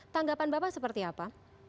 tanggapan bapak seperti apa